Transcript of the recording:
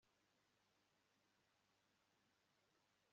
igare ni rito kuri wewe